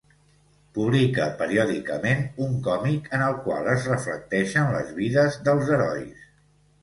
Publica periòdicament un còmic en el qual es reflecteixen les vides dels herois.